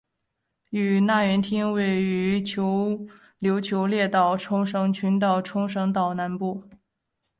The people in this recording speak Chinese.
与那原町位于琉球列岛冲绳群岛冲绳岛南部。